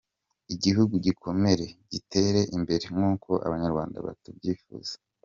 Igihugu gikomere, gitere imbere nkuko Abanyarwanda tubyifuza.